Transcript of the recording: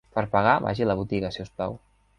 Per pagar vagi a la botiga, si us plau.